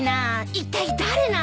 いったい誰なんだ？